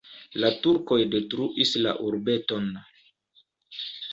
La turkoj detruis la urbeton.